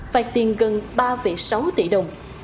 phạt tiền gần ba sáu tỷ đồng